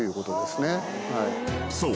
［そう。